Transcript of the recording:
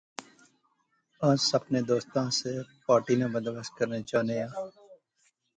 اس اپنے دوستاں آسے پارٹی ناں بندوبست کرنا چاہنے آں